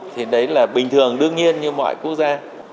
thì đấy là bình thường đương nhiên như mọi quốc gia